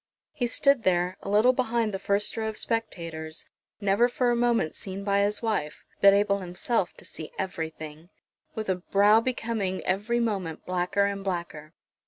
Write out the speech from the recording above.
He stood there, a little behind the first row of spectators, never for a moment seen by his wife, but able himself to see everything, with a brow becoming every moment blacker and blacker.